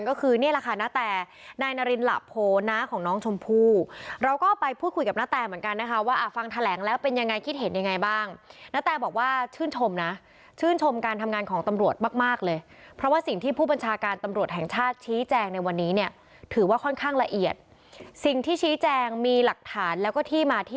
ก็ขอให้จับได้เร็วก็ได้เร็วได้ยิ่งดีนะฮะ